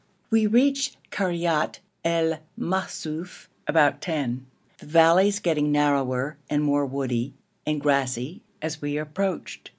We reached Karyat el Maksuf about ten, the valleys getting narrower and more woody and grassy as we approached.